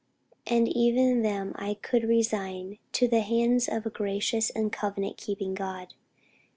And even them I could resign to the hands of a gracious and covenant keeping God."